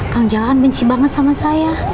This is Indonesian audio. kang jangan benci banget sama saya